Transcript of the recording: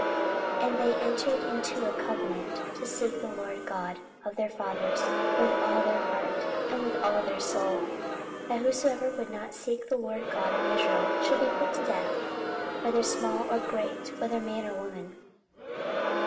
14:015:012 And they entered into a covenant to seek the LORD God of their fathers with all their heart and with all their soul; 14:015:013 That whosoever would not seek the LORD God of Israel should be put to death, whether small or great, whether man or woman.